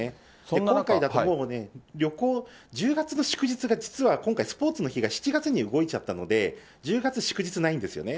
今回だともうね、旅行、１０月の祝日が、実は今回、スポーツの日が７月に動いちゃったので、１０月祝日ないんですよね。